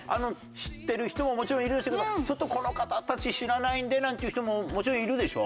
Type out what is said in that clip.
知ってる人ももちろんいるでしょうけどちょっとこの方たち知らないんでなんていう人ももちろんいるでしょ？